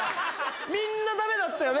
みんな駄目だったよね？